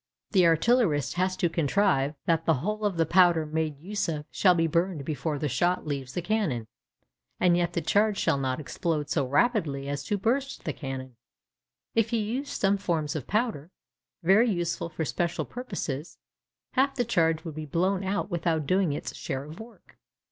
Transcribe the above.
The artillerist has to contrive that the whole of the powder made use of shall be burned before the shot leaves the cannon, and yet that the charge shall not explode so rapidly as to burst the cannon. If he used some forms of powder, very useful for special purposes, half the charge would be blown out without doing its share of work.